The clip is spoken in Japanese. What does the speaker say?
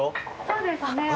そうですね。